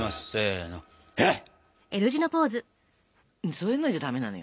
そういうのじゃダメなのよ。